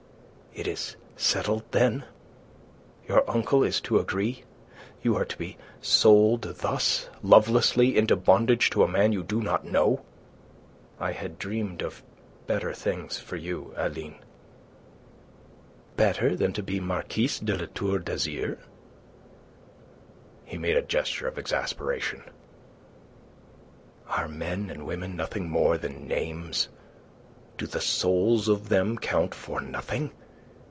It is settled, then? Your uncle is to agree? You are to be sold thus, lovelessly, into bondage to a man you do not know. I had dreamed of better things for you, Aline." "Better than to be Marquise de La Tour d'Azyr?" He made a gesture of exasperation. "Are men and women nothing more than names? Do the souls of them count for nothing?